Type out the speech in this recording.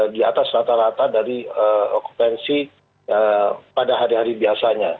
di atas rata rata dari okupansi pada hari hari biasanya